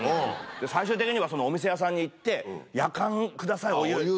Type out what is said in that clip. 最終的にはお店屋さんに行って「やかんくださいお湯」。